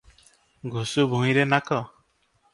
ଘଷୁ ଭୂଇଁରେ ନାକ ।"